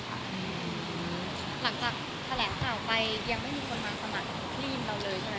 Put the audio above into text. หลังจากแถลงข่าวไปยังไม่มีคนมาสมัครได้ยินเราเลยใช่ไหม